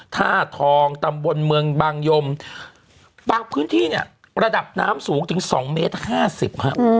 ท่าทองตำบลเมืองบางยมบางพื้นที่เนี่ยระดับน้ำสูงถึง๒เมตรห้าสิบฮะ